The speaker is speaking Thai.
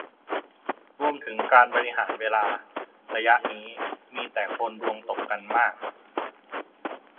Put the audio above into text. รวมถึงการบริหารเวลาระยะนี้มีแต่คนดวงตกกันมาก